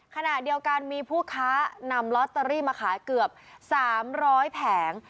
ขณะเดียวกันมีผู้ค้านำลอตเตอรี่มาขายเกือบ๓๐๐แผง